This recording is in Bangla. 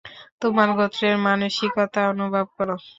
তোমার গোত্রের মানসিকতা অনুভব কর।